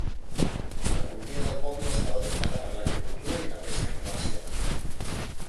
L'economia del poble estava dominada per l'agricultura i la pesca comercial.